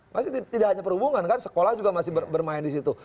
masih tidak hanya perhubungan kan sekolah juga masih bermain di situ